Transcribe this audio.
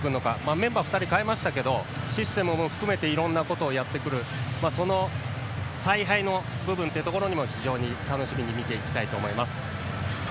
メンバー、２人代えましたがシステムを含めていろいろなことをやってくるその采配の部分も楽しみに見ていきたいと思います。